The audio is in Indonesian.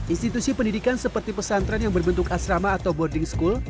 institusi pendidikan seperti pesantren yang berbentuk asrama atau boarding school